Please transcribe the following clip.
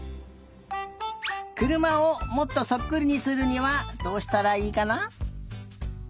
くるまをもっとそっくりにするにはどうしたらいいかな？